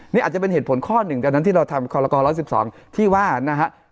เนี่ยอาจจะเป็นเหตุผลข้อนึงจากที่เราทำคล้าละกร๑๐๐ที่ว่านะฮะ